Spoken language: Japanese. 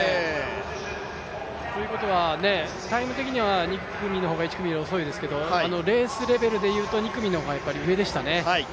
ということはタイム的には、２組の方が１組より遅いですけれども、レースレベルでいうと、２組の方が上でしたね。